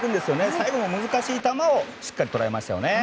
最後も難しい球をしっかり捉えましたよね。